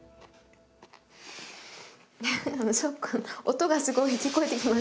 音がすごい聞こえてきます